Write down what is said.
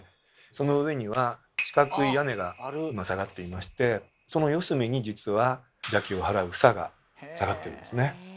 その上には四角い屋根が下がっていましてその四隅に実は邪気を払う房が下がってるんですね。